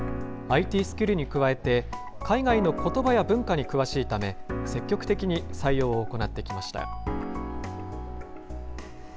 ＩＴスキルに加えて、海外のことばや文化に詳しいため、積極的に採用を行ってきました。